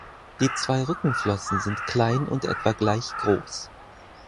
Die zwei Rückenflossen sind klein und etwa gleich groß.